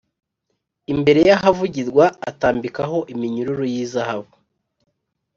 imbere y’ahavugirwa atambikaho iminyururu y’izahabu